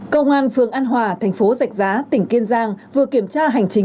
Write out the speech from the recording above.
công an phường an hòa thành phố giạch giá tỉnh kiên giang vừa kiểm tra hành chính